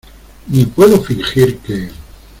ni puedo fingir que...